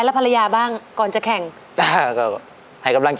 เราตำเต็มที่เลย